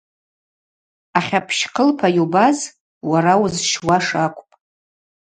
Ахьапщ хъылпа йубаз—уара уызщуаш акӏвпӏ.